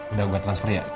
udah gue transfer ya